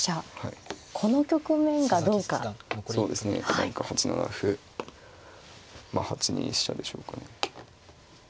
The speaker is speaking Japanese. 何か８七歩まあ８二飛車でしょうかね。